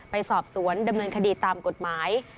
ไปสอบสวนดำเนินคดีตามกฎหมาย